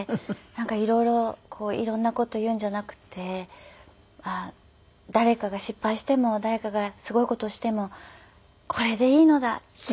なんか色々色んな事を言うんじゃなくて誰かが失敗しても誰かがすごい事しても「これでいいのだ」って。